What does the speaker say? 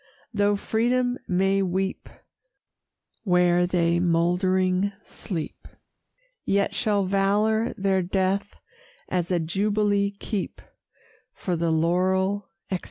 Though Freedom may weep Where they mouldering sleep, Yet shall valor their death as a jubilee keep: For the laurel, etc.